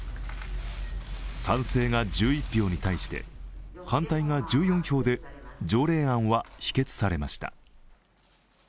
賛成が１１票に対して、反対が１４票で条例案は否決されました。